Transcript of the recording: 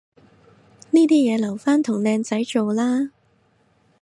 呢啲嘢留返同靚仔做啦